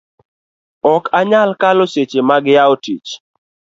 ok anyal kalo seche mag yawo tich